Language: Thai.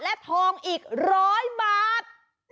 และทองอีก๑๐๐บาท